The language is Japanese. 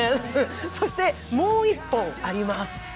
そしてもう１本あります。